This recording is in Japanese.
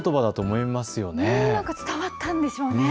うまく伝わったんでしょうね。